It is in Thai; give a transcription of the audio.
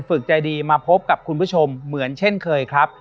ฝึกใจดีมาพบกับคุณผู้ชมเหมือนเช่นเคยครับ